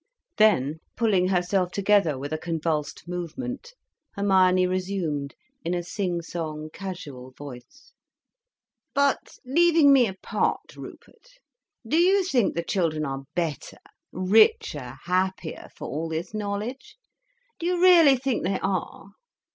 Then, pulling herself together with a convulsed movement, Hermione resumed, in a sing song, casual voice: "But leaving me apart, Rupert; do you think the children are better, richer, happier, for all this knowledge; do you really think they are?